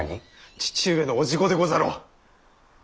父上の伯父御でござろう。